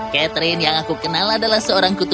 catherine yang aku kenal adalah seorang kutu